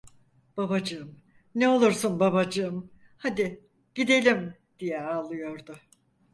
Babacığım, ne olursun babacığım, hadi gidelim! diye ağlıyordu.